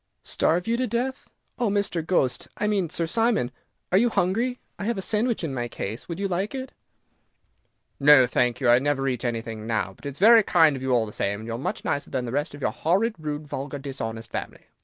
"Starve you to death? Oh, Mr. Ghost I mean Sir Simon, are you hungry? I have a sandwich in my case. Would you like it?" "No, thank you, I never eat anything now; but it is very kind of you, all the same, and you are much nicer than the rest of your horrid, rude, vulgar, dishonest family."